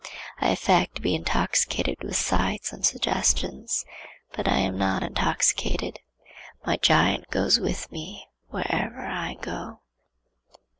I affect to be intoxicated with sights and suggestions, but I am not intoxicated. My giant goes with me wherever I go.